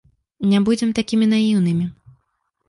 Не будзем такімі наіўнымі.